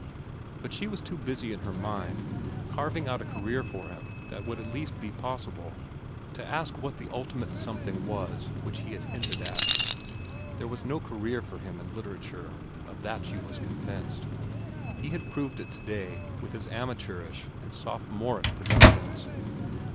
But she was too busy in her mind, carving out a career for him that would at least be possible, to ask what the ultimate something was which he had hinted at. There was no career for him in literature. Of that she was convinced. He had proved it to day, with his amateurish and sophomoric productions.